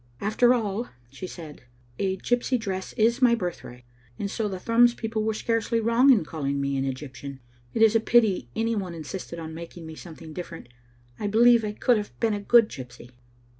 "After all," she said, "a gypsy dress is my birth right, and so the Thrums people were scarcely wrong in calling me an Egyptian. It is a pity any one insisted on making me something different. I believe I could have been a good gypsy."